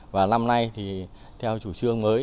và năm nay theo chủ trương mới